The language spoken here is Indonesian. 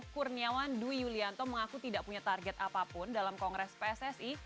kurniawan dwi yulianto mengaku tidak punya target apapun dalam kongres pssi